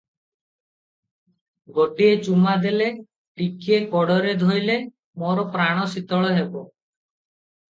ଗୋଟିଏ ଚୁମା ଦେଲେ, ଟିକିଏ କୋଡ଼ରେ ଧଇଲେ ମୋର ପ୍ରାଣ ଶୀତଳ ହେବ ।"